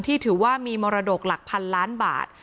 ถือว่ามีมรดกหลักพันล้านบาท